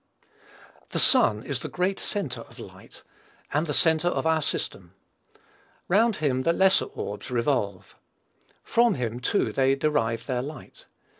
The sun is the great centre of light, and the centre of our system. Round him the lesser orbs revolve. From him, too, they derive their light.